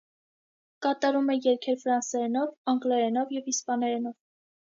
Կատարում է երգեր ֆրանսերենով, անգլերենով և իսպաներենով։